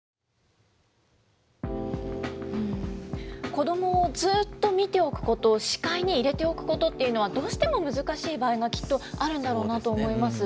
子どもをずっと見ておくこと、視界に入れておくことっていうのは、どうしても難しい場合が、きっとあるんだろうなと思います。